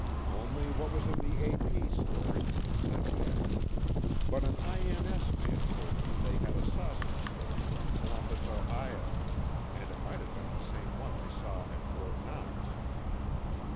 "Only what was in the A.P. story," said Jack. "But an I.N.S. man told me they had a saucer story from Columbus, Ohio—and it might have been the same one they saw at Fort Knox."